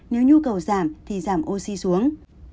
nếu nhu cầu giảm thì giảm oxy xuống